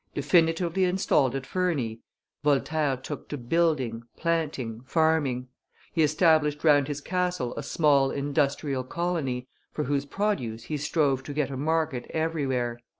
Definitively installed at Ferney, Voltaire took to building, planting, farming. He established round his castle a small industrial colony, for whose produce he strove to get a market everywhere.